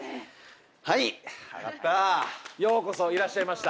はい上がったようこそいらっしゃいました